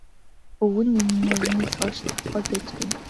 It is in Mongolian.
Өвгөн нь эмгэнээ түүнээс хойш зодохоо байж гэнэ.